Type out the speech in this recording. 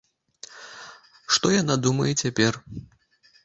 Што яна думае цяпер?